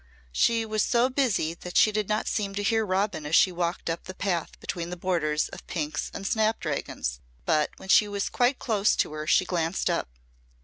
She was so busy that she did not seem to hear Robin as she walked up the path between the borders of pinks and snapdragons, but when she was quite close to her she glanced up.